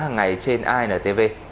hằng ngày trên intv